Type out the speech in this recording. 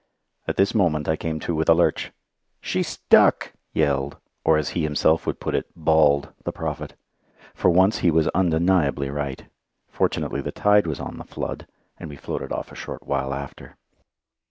At this moment I came to with a lurch. "She's stuck!" yelled, or as he himself would put it, "bawled," the Prophet. For once he was undeniably right. Fortunately the tide was on the flood, and we floated off a short while after.